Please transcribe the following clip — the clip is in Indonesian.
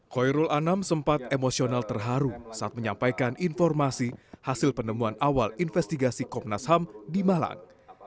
khoirul anam sempat emosional terharu saat menyampaikan informasi hasil penemuan awal investigasi komnas ham di malang